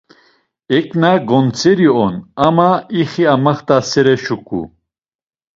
Eǩna gontzeri on ama ixi amaxtasere şuku.